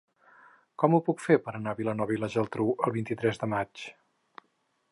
Com ho puc fer per anar a Vilanova i la Geltrú el vint-i-tres de maig?